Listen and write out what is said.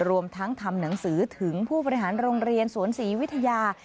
รวมทั้งทำหนังสือถึงผู้บริหารโรงเรียนสวนศรีวิทยา